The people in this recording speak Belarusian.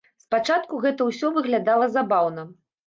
Спачатку гэта ўсё выглядала забаўна.